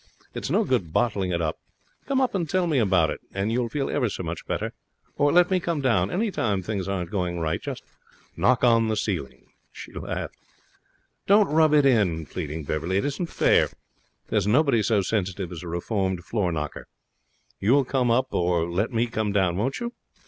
It's no good bottling it up. Come up and tell me about it, and you'll feel ever so much better. Or let me come down. Any time things aren't going right just knock on the ceiling.' She laughed. 'Don't rub it in,' pleaded Beverley. 'It isn't fair. There's nobody so sensitive as a reformed floor knocker. You will come up or let me come down, won't you?